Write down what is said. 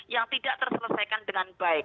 yang tidak terselesaikan dengan baik